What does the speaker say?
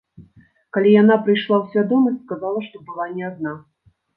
Калі яна прыйшла ў свядомасць, сказала, што была не адна.